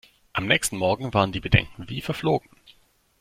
Am nächsten Morgen waren die Bedenken wie verflogen.